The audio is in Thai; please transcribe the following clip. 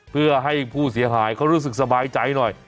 เพื่อให้ผู้เสียหายเขารู้สึกสบายใจหน่อย